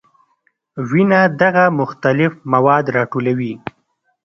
وینه دغه مختلف مواد راټولوي.